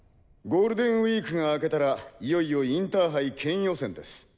ゴールデンウィークが明けたらいよいよインターハイ県予選です。